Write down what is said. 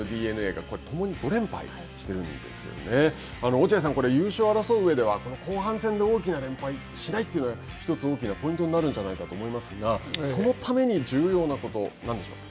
落合さん、優勝を争ううえでは、後半戦で大きな連敗しないというのが１つ大きなポイントになるんじゃないかと思いますがそのために、重要なこと、何でしょうか。